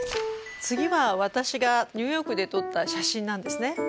次は私がニューヨークで撮った写真なんですね。